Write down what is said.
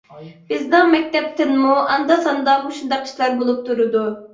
بىزنىڭ مەكتەپتىنمۇ ئاندا-ساندا مۇشۇنداق ئىشلار بولۇپ تۇرىدۇ.